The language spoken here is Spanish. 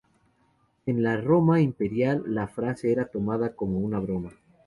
En la Roma imperial la frase era tomada como una broma.